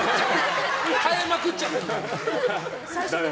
変えまくっちゃってる。